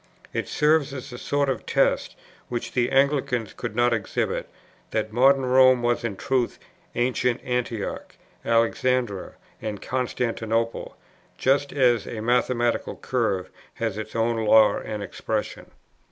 It served as a sort of test, which the Anglican could not exhibit, that modern Rome was in truth ancient Antioch, Alexandria, and Constantinople, just as a mathematical curve has its own law and expression.